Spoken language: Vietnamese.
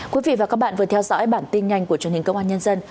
quý vị và các bạn vừa theo dõi bản tin nhanh của truyền hình công an nhân dân